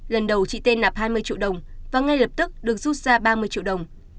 lần đầu chị tên nạp hai mươi triệu đồng và ngay lập tức được rút ra ba mươi triệu đồng